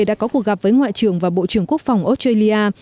đã có cuộc gặp với ngoại trưởng và bộ trưởng quốc phòng australia